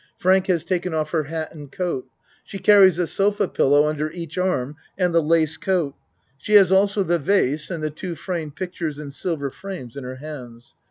Frank has taken off her hat and coat. She carries a sofa pillow under each arm, and the lace coat. She has also the vase and the two framed pictures in silver frames in her hands.